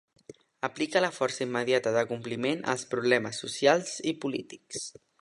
Aplica la força immediata d'acompliment als problemes socials i polítics.